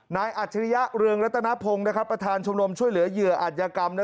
อัจฉริยะเรืองรัตนพงศ์ประธานชมรมช่วยเหลือเหยื่ออัธยกรรม